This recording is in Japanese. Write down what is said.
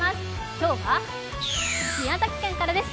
今日は、宮崎県からです。